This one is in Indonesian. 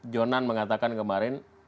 jonan mengatakan kemarin